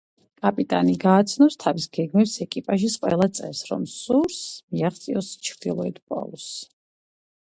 კაპიტანი გააცნობს თავის გეგმებს ეკიპაჟის ყველა წევრს, რომ სურს მიაღწიოს ჩრდილოეთ პოლუსს.